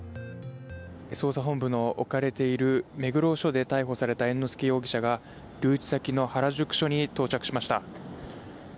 捜査本部の置かれている目黒署で逮捕された猿之助容疑者が留置先の原宿署に到着しました。